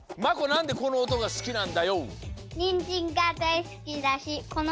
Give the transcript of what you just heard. なんでこのおとがすきなんだＹＯ！